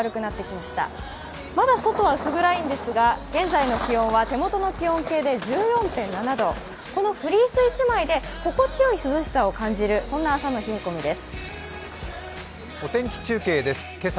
まだ外は薄暗いんですが、現在の気温は手元の気温計で１４．７度、このフリース１枚で心地よい涼しさを感じる、そんな朝の冷え込みです。